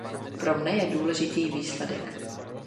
Pro mne je důležitý výsledek.